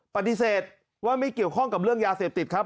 ปฏิเสธว่าไม่เกี่ยวข้องกับเรื่องยาเสพติดครับ